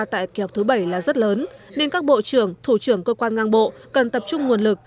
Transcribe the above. tại kỳ họp thứ bảy là rất lớn nên các bộ trưởng thủ trưởng cơ quan ngang bộ cần tập trung nguồn lực